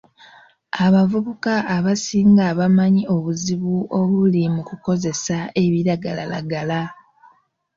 Abavubuka abasinga bamanyi obuzibu obuli mu kukozesa ebiragalalagala.